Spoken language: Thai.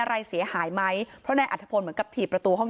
อะไรเสียหายไหมเพราะนายอัฐพลเหมือนกับถีบประตูห้อง